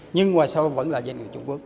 nhưng ngoài sau vẫn là doanh nghiệp trung quốc